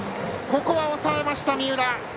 ここは抑えました、三浦。